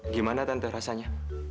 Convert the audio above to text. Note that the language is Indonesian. gimana tante rasanya